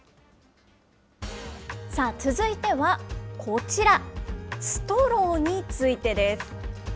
さあ、続いてはこちら、ストローについてです。